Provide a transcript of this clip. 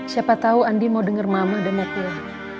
siapa tahu andin mau denger mama dan mau keluar